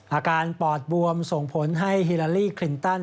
อาการปอดบวมส่งผลให้ฮิลาลีคลินตัน